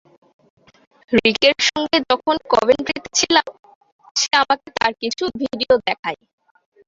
রিকের সঙ্গে যখন কভেন্ট্রিতে ছিলাম, সে আমাকে তার কিছু ভিডিও দেখায়।